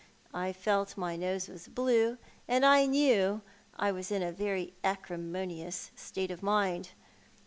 I felt that my nose was blue, and I knew that I was in a very acrimonious state of mind.